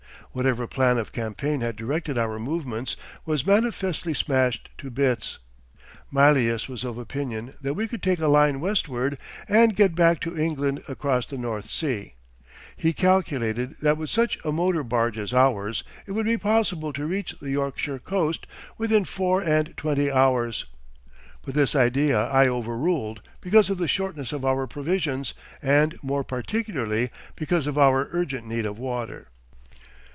Whatever plan of campaign had directed our movements was manifestly smashed to bits. Mylius was of opinion that we could take a line westward and get back to England across the North Sea. He calculated that with such a motor barge as ours it would be possible to reach the Yorkshire coast within four and twenty hours. But this idea I overruled because of the shortness of our provisions, and more particularly because of our urgent need of water.